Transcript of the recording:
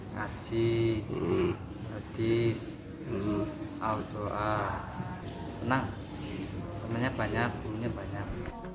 ngaji jadis doa penang temannya banyak bunyinya banyak